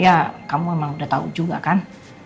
ya kamu memang udah tahu juga kan